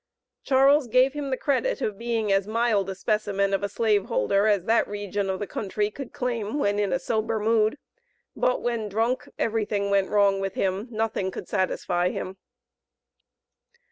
Charles gave him the credit of being as mild a specimen of a slaveholder as that region of country could claim when in a sober mood, but when drunk every thing went wrong with him, nothing could satisfy him.